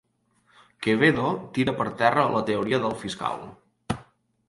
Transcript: Quevedo tira per terra la teoria del fiscal